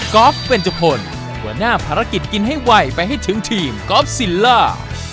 อล์ฟเบนจุพลหัวหน้าภารกิจกินให้ไวไปให้ถึงทีมกอล์ฟซิลล่า